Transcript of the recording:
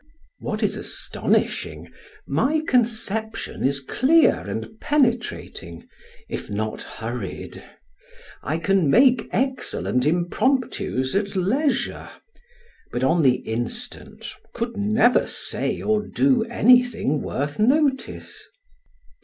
What is astonishing, my conception is clear and penetrating, if not hurried: I can make excellent impromptus at leisure, but on the instant, could never say or do anything worth notice.